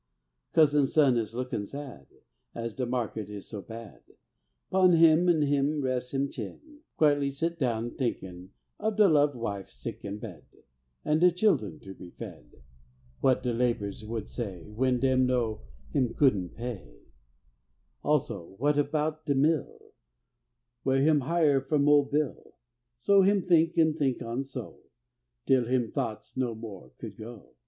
Cousin Sun is lookin' sad, As de market is so bad; 'Pon him han' him res' him chin, Quietly sit do'n thinkin' Of de loved wife sick in bed, An' de children to be fed What de laborers would say When dem know him couldn' pay; Also what about de mill Whe' him hire from ole Bill; So him think, an' think on so, Till him t'oughts no more could go.